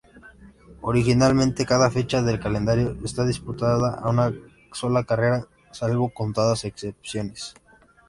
Originalmente, cada fecha del calendario se disputaba a una sola carrera, salvo contadas excepciones.